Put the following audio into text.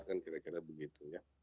dan kira kira begitu ya